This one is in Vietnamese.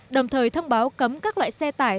đồng thời thông báo cấm các loại xe tải